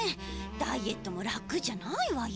ダイエットもらくじゃないわよ。